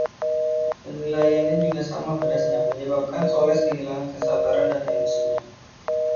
Penilaiannya juga sama pedasnya, menyebabkan Sholes kehilangan kesabaran dan emosinya.